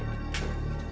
hai mas ho